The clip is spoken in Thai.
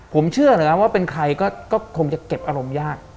ผมเชื่อเลยนะว่าเป็นใครก็คงจะเก็บอารมณ์ยาก